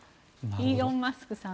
イーロン・マスクさん。